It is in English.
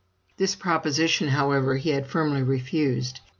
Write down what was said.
This proposition, however, he had firmly refused.